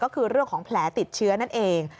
ก็คือเรื่องของแผลติดเชื้อนั่นเอง